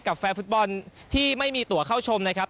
แฟนฟุตบอลที่ไม่มีตัวเข้าชมนะครับ